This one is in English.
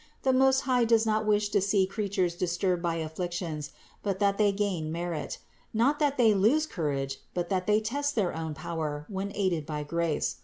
The Most High does not wish to see the creatures disturbed by afflictions, but that they gain merit; not that they lose courage, but that they test their own power when aided by grace.